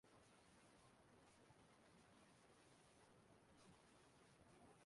onyeisi ụlọọrụ 'Bank of Industry'